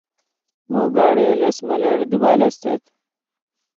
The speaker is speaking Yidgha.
مو گھڑی لس ملٹ دیبال استت